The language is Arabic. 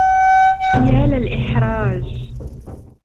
يا للإحراج!